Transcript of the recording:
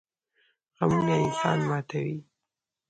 غمونه انسان ماتوي